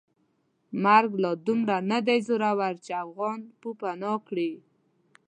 مرګ لا دومره ندی زورور چې افغان پوپناه کړي.